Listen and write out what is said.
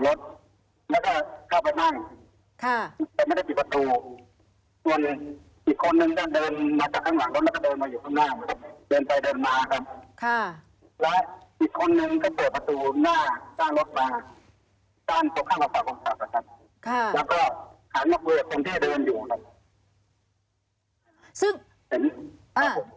แล้วก็หานักเวิร์ดตรงที่เดินอยู่